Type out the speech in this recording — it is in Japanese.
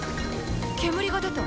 煙が出た。